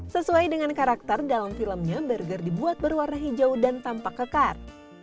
sesuai dengan karakter dalam filmnya burger dibuat berwarna hijau dan tampak kekar